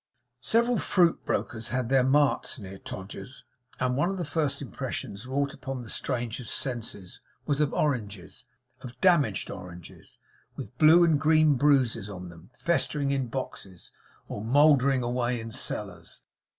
Several fruit brokers had their marts near Todgers's; and one of the first impressions wrought upon the stranger's senses was of oranges of damaged oranges with blue and green bruises on them, festering in boxes, or mouldering away in cellars.